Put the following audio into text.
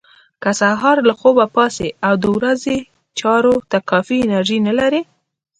که سهار له خوبه پاڅئ او د ورځې چارو ته کافي انرژي نه لرئ.